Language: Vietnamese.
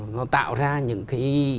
nó tạo ra những cái